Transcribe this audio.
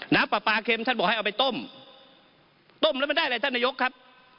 น้ำปลาปลาเข็มท่านบอกให้เอาไปต้มต้มแล้วมันได้อะไรท่านนายกครับ